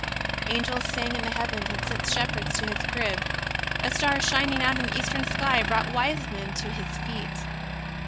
Angels sang in the heavens and sent shepherds to His crib. A star shining out in the eastern sky brought wise men to His feet.